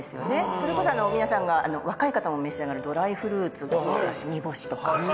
それこそ皆さんが若い方も召し上がるドライフルーツもそうだし煮干しとか高野豆腐とか。